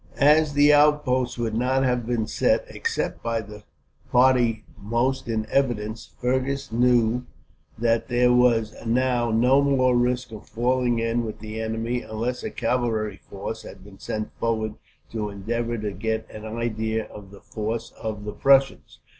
As the outposts would not have been set, except by the party most in advance, Fergus knew that there was now no more risk of falling in with the enemy; unless a cavalry force had been sent forward, to endeavour to get an idea of the force of the Prussians.